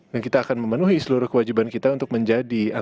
dan kita akan memenuhi seluruh kewajiban kita untuk berjalan ke asean